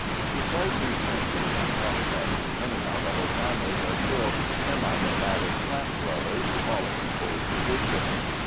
Despite these changes and prospects, many Navajo families are still seminomadic camp dwellers, following old traditions.